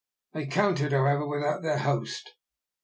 They counted, however, without their host.